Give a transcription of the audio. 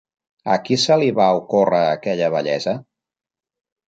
A qui se li va ocórrer aquella bellesa?